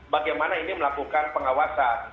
bagaimana ini melakukan pengawasan